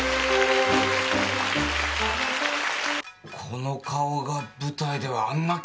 この顔が舞台ではあんな